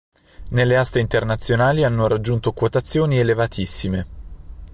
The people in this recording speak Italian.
Nelle aste internazionali hanno raggiunto quotazioni elevatissime.